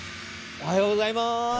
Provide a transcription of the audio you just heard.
おはようございます。